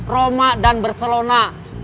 roma dan barcelona